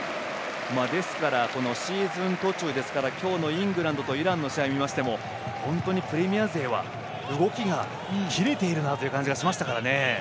ですから、シーズン途中ですから今日のイングランドとイランの試合を見ましても本当にプレミア勢は動きがキレているなという感じがしました。